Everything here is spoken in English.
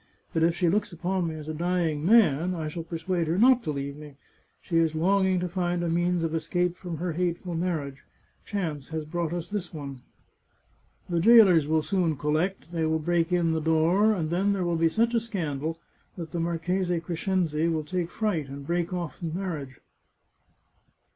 But if she looks upon me as a dying man I shall persuade her not to leave me. She is longing to find a means of escape from her hateful marriage; chance has brought us this one. The jailers will soon collect; they will break in the door, and then there will be such a scandal that the Marchese Crescenzi will take fright, and break off his marriage."